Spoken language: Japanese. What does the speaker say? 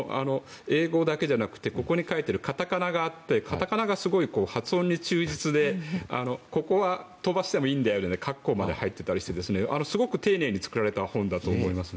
英語だけじゃなくてカタカナがあってカタカナが、すごく発音に忠実でここは飛ばしてもいいんだよっていうカッコまで入っていてすごく丁寧に作られた本だと思います。